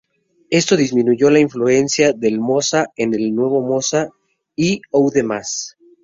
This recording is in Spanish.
Esto disminuyó la influencia del Mosa en el Nuevo Mosa y Oude Maas.